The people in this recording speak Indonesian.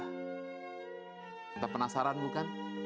kita penasaran bukan